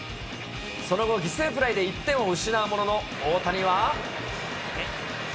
その後、犠牲フライで１点を失うものの、大谷は。